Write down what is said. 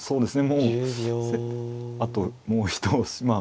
もうあともう一押しま